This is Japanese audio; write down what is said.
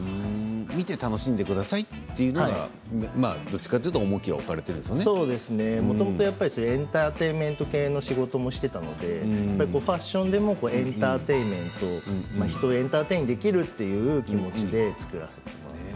見て楽しんでくださいというのがどちらかというともともとはエンターテインメント系の仕事をしていたので、ファッションでもエンターテインメント人をエンターテインできるという気持ちで作らせていただいています。